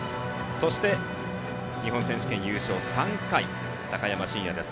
そして日本選手権優勝３回高山峻野です。